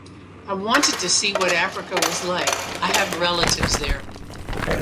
I wanted to see what Africa was like — I have relatives there.